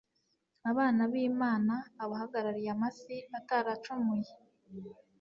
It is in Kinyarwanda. abana b'Imana, abahagarariye amasi ataracumuye.